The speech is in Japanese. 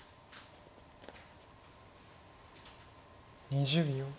２０秒。